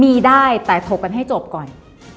มีได้แต่ถกกันให้จบก่อน